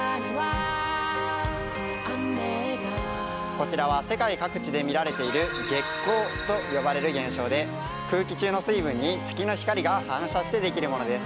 こちらは世界各地で見られている月虹と呼ばれる現象で空気中の水分に月の光が反射して出来るものです。